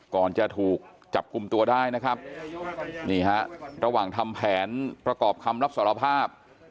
ก่อนจะถูกจับกลุ่มตัวได้นะครับนี่ฮะระหว่างทำแผนประกอบคำรับสารภาพ